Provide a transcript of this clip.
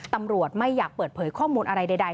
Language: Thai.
ตำรวจไม่อยากเปิดเผยข้อมูลอะไรใด